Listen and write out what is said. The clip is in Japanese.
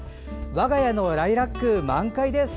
我が家のライラック、満開です。